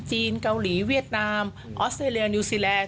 เกาหลีเวียดนามออสเตรเลียนิวซีแลนด